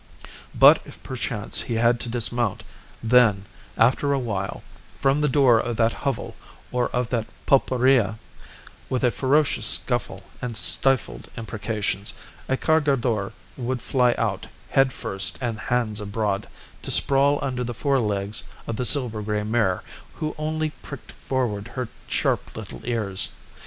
But if perchance he had to dismount, then, after a while, from the door of that hovel or of that pulperia, with a ferocious scuffle and stifled imprecations, a cargador would fly out head first and hands abroad, to sprawl under the forelegs of the silver grey mare, who only pricked forward her sharp little ears.